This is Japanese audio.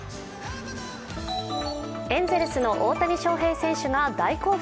エンゼルスの大谷翔平選手が大興奮。